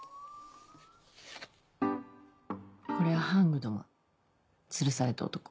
これはハングドマンつるされた男。